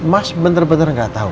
mas bener bener gak tahu